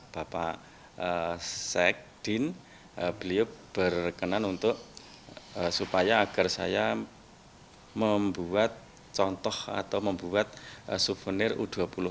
bapak sekdin beliau berkenan untuk supaya agar saya membuat contoh atau membuat souvenir u dua puluh